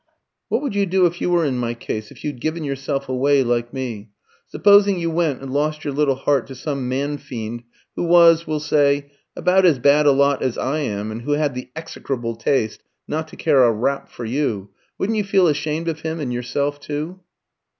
"What would you do if you were in my case if you'd given yourself away like me? Supposing you went and lost your little heart to some man fiend who was, we'll say, about as bad a lot as I am, and who had the execrable taste not to care a rap for you, wouldn't you feel ashamed of him and yourself too?"